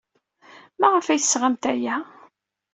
Maɣef ay d-tesɣamt aya?